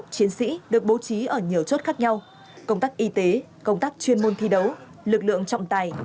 chiến sĩ được bố trí ở nhiều chốt khác nhau công tác y tế công tác chuyên môn thi đấu lực lượng trọng tài